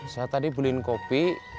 saya tadi beliin kopi